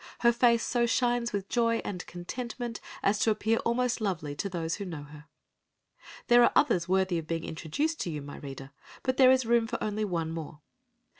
Her face so shines with joy and contentment as to appear almost lovely to those who know her. There are others worthy of being introduced to you, my reader, but there is room for only one more.